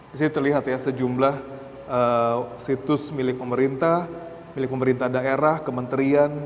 di sini terlihat ya sejumlah situs milik pemerintah milik pemerintah daerah kementerian